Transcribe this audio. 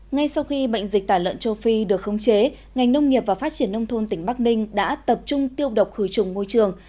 ngay sau khi bệnh dịch tả lợn châu phi được khống chế ngành nông nghiệp và phát triển nông thôn tỉnh bắc ninh đã tập trung tiêu độc khử trùng môi trường